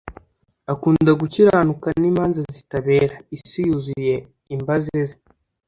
Akunda gukiranuka n’imanza zitabera, isi yuzuye imbaze ze